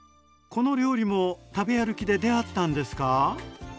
この料理も食べ歩きで出会ったんですか？